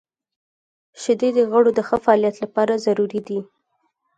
• شیدې د غړو د ښه فعالیت لپاره ضروري دي.